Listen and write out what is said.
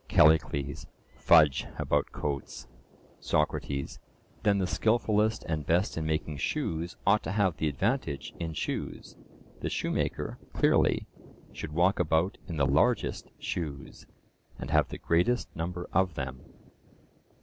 CALLICLES: Fudge about coats! SOCRATES: Then the skilfullest and best in making shoes ought to have the advantage in shoes; the shoemaker, clearly, should walk about in the largest shoes, and have the greatest number of them?